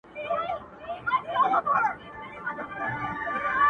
نو زما نصيب دې گرانې وخت د ماځيگر ووهي